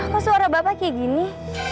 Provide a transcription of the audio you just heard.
kok suara bapak kayak gini